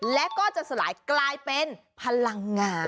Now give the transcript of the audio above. และก็จะสลายกลายเป็นพลังงาน